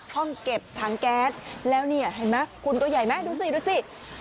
ห้องเก็บถังแก๊สแล้วเนี่ยเห็นไหมคุณตัวใหญ่ไหมดูสิดูสิ